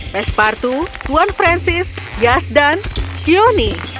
pespartu tuan francis yazdan keoni